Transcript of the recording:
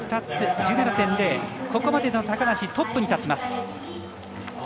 ここまでの高梨トップに立ちます。